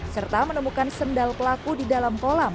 serta menemukan sendal pelaku di dalam kolam